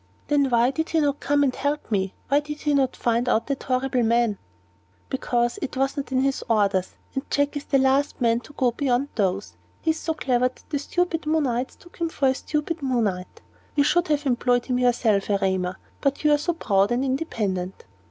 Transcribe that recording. "Then why did he not come and help me? Why did he not find out that horrible man?" "Because it was not in his orders, and Jack is the last man to go beyond those. He is so clever that the stupid Moonites took him for a stupid Moonite. You should have employed him yourself, Erema; but you are so proud and independent."